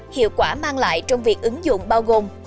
hiệu quả mang lại trong việc ứng dụng bao gồm